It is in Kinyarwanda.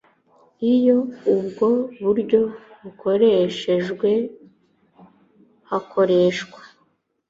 Iyo ubwo buryo bukoreshejwe hakoreshwa